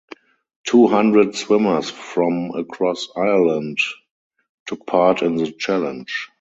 Two hundred swimmers from across Ireland took part in the challenge.